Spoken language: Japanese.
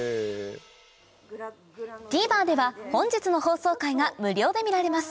ＴＶｅｒでは本日の放送回が無料で見られます